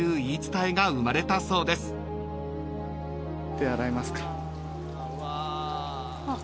手洗いますか。